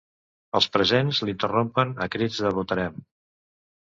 Els presents l’interrompen a crits de votarem.